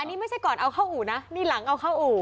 นี่ไม่ใช่ก่อนเอาเข้าอู่นะนี่หลังเอาเข้าอู่